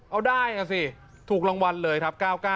เอาได้อ่ะสิถูกรางวัลเลยครับ๙๙